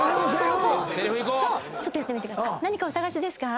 何かお探しですか？